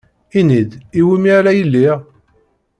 Ini-d, iwumi ara iliɣ